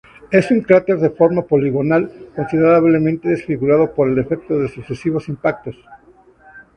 Es un cráter de forma poligonal, considerablemente desfigurado por el efecto de sucesivos impactos.